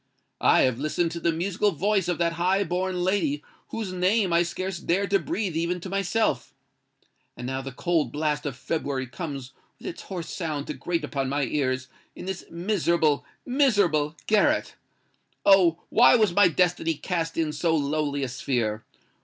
I have listened to the musical voice of that high born lady whose name I scarcely dare to breathe even to myself—and now the cold blast of February comes with its hoarse sound to grate upon my ears in this miserable—miserable garret! Oh! why was my destiny cast in so lowly a sphere?